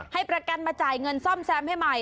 ให้ประกันมาจ่ายเงินซ่อมแซมให้ใหม่